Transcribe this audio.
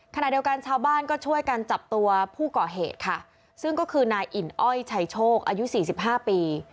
ขณะเดียวกันชาวบ้านก็ช่วยกันจับตัวผู้ก่อเหตุค่ะซึ่งก็คือนายอิ่นอ้อยชัยโชคอายุสี่สิบห้าปี